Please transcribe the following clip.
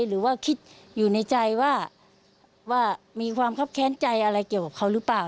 หรือว่าคิดอยู่ในใจว่ามีความคับแค้นใจอะไรเกี่ยวกับเขาหรือเปล่า